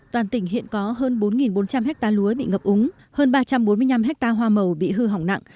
toàn tỉnh hiện có hơn bốn bốn trăm linh hectare lúa bị ngập úng hơn ba trăm bốn mươi năm ha hoa màu bị hư hỏng nặng